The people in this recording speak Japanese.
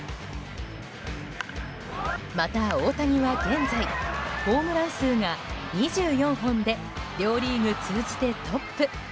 また、大谷は現在ホームラン数が２４本で両リーグ通じてトップ。